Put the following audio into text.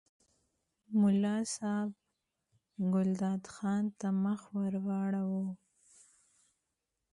ملا صاحب ګلداد خان ته مخ ور واړاوه.